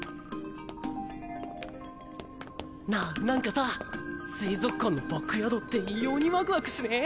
なあなんかさ水族館のバックヤードって異様にワクワクしねぇ？